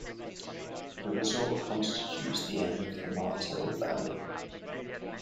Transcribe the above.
The resort constitutes the end of the Martil Valley.